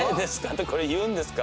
ってこれ言うんですか？